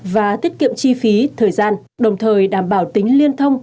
và tiết kiệm chi phí thời gian đồng thời đảm bảo tính liên thông